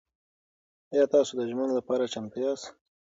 ایا تاسو د ژمنو لپاره چمتو یاست؟